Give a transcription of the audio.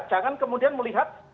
jangan kemudian melihat